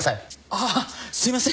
ああすいません。